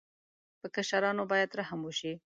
په کشرانو باید رحم وشي.